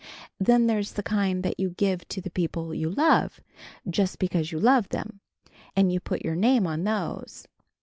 Then there's the kind that you give to the people you love, just because you love them, and you put your name on those.